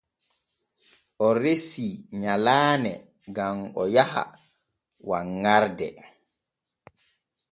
O resi nyalaane gam o yaha wanŋarde.